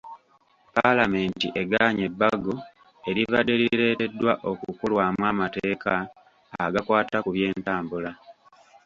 Paalamenti egaanye ebbago eribadde lireeteddwa okukolwamu amateeka agakwata ku by'entambula.